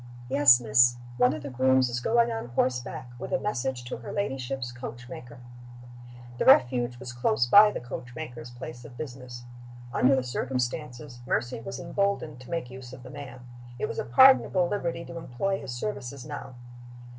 "Yes, miss. One of the grooms is going on horseback, with a message to her ladyship's coach maker." The Refuge was close by the coach maker's place of business. Under the circumstances, Mercy was emboldened to make use of the man. It was a pardonable liberty to employ his services now.